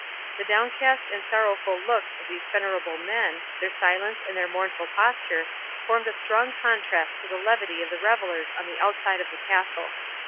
The downcast and sorrowful looks of these venerable men, their silence and their mournful posture, formed a strong contrast to the levity of the revellers on the outside of the castle.